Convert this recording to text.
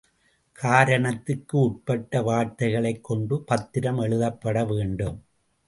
காரணத்திற்கு உட்பட்ட வார்த்தைகளைக் கொண்டு பத்திரம் எழுதப்படவேண்டும்.